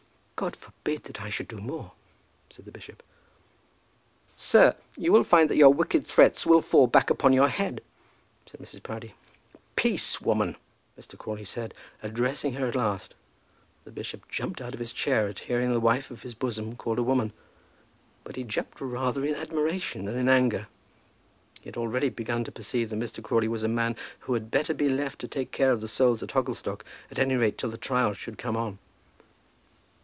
"God forbid that I should do more," said the bishop. "Sir, you will find that your wicked threats will fall back upon your own head," said Mrs. Proudie. "Peace, woman," Mr. Crawley said, addressing her at last. The bishop jumped out of his chair at hearing the wife of his bosom called a woman. But he jumped rather in admiration than in anger. He had already begun to perceive that Mr. Crawley was a man who had better be left to take care of the souls at Hogglestock, at any rate till the trial should come on.